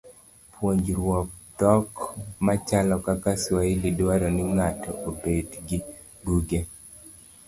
Puonjruok dhok machalo kaka Swahili, dwaro ni ng'ato obed gi buge.